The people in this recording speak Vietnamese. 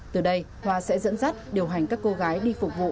từ đây khoa sẽ dẫn dắt điều hành các cô gái đi phục vụ